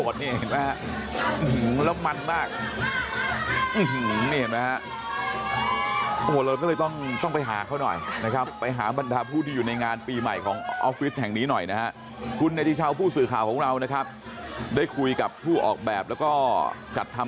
สนุกมากนะแบบกี่คอจะเข้าโบสถ์